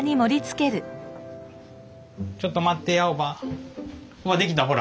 ちょっと待ってやおばあおばあできたほら。